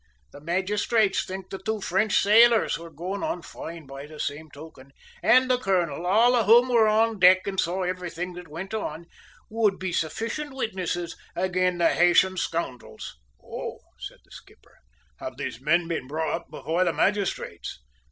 The magistrates think the two French sailors, who're goin' on foine by the same token, and the colonel, all of whom were on deck an' saw everything that went on, would be sufficient witnisses aga'n the Haytian scoundrels." "Oh!" said the skipper, "have these men been brought up before the magistrates?"